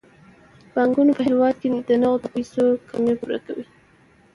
بانکونه په هیواد کې د نغدو پيسو کمی پوره کوي.